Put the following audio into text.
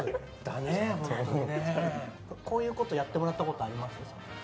こういうことやってもらったことあります？